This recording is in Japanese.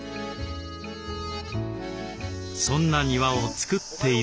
そんな庭をつくっているのが。